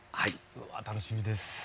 うわ楽しみです。